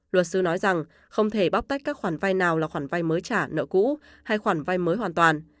luật sư nói rằng không thể bóc tách các khoản vai nào là khoản vai mới trả nợ cũ hay khoản vai mới hoàn toàn